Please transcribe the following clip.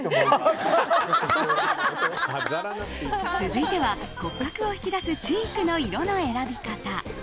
続いては骨格を引き出すチークの色の選び方。